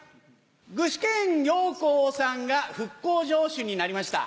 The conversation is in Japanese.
具志堅用高さんが復興城主になりました。